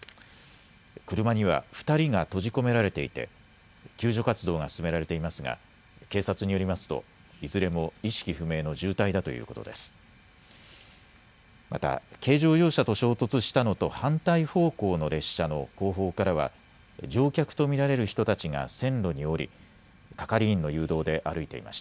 車には２人が閉じ込められていて救助活動が進められていますが警察によりますといずれも意識不明の重体だということです。